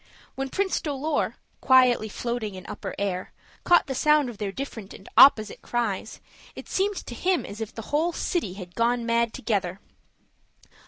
When Prince Dolor, quietly floating in upper air, caught the sound of their different and opposite cries, it seemed to him as if the whole city had gone mad together.